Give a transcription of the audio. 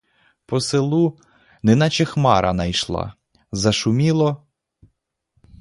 По селу, неначе хмара найшла, зашуміло.